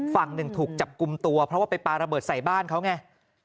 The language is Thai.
ฝั่งหนึ่งถูกจับกลุ่มตัวเพราะว่าไปปลาระเบิดใส่บ้านเขาไง